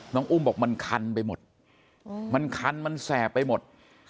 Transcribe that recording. น้องอุ้มบอกมันคันไปหมดมันคันแซ่บไปหมด